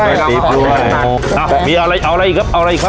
น้ำตาปรี๊บด้วยอ่ะมีอะไรเอาอะไรอีกครับเอาอะไรอีกครับ